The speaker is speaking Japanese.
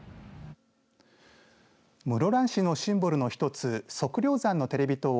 室蘭市のシンボルの一つ測量山のテレビ塔を